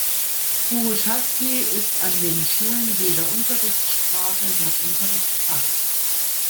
Burushaski ist an den Schulen weder Unterrichtssprache noch Unterrichtsfach.